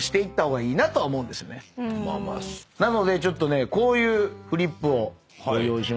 なのでちょっとねこういうフリップをご用意しましたけれども。